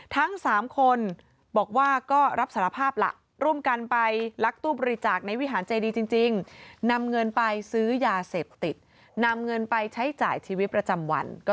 ทั้งสามคนบอกว่าก็รับสรภาพละร่วมกันไปลักตู้บริจาคในวิหารจ่ายดีจริงจริง